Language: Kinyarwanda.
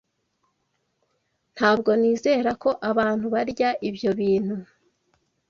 Ntabwo nizera ko abantu barya ibyo bintu.